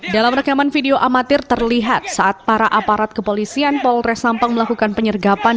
dalam rekaman video amatir terlihat saat para aparat kepolisian polres sampang melakukan penyergapan